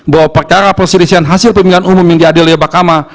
bahwa perkara perserisihan hasil pemilihan umum yang diadil oleh bakamah